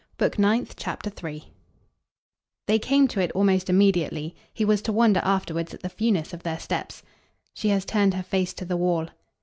Book Ninth, Chapter 3 They came to it almost immediately; he was to wonder afterwards at the fewness of their steps. "She has turned her face to the wall."